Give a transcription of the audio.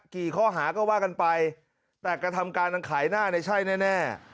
ข้อหาก็ว่ากันไปแต่กระทำการทางขายหน้าเนี่ยใช่แน่